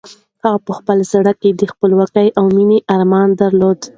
هغې په خپل زړه کې د خپلواکۍ او مېنې ارمان درلود.